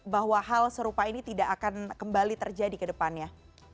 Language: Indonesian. bahwa hal serupa ini tidak akan kembali terjadi ke depannya